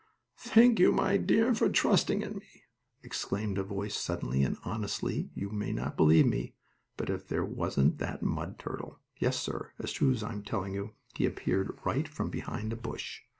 "Thank you, my dear, for trusting in me!" exclaimed a voice suddenly, and honestly, you may not believe me, but if there wasn't that mud turtle! Yes, sir, as true as I'm telling you, he appeared right from behind a bush!